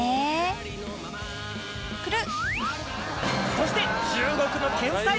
そして。